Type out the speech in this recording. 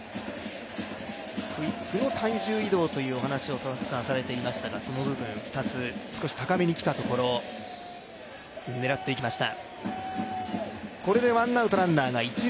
クイックの体重移動というお話をされていましたがその部分、２つ、少し高めにきたところ狙ってきました。